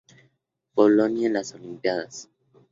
Polonia en las Olimpíadas